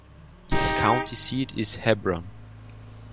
Its county seat is Hebron.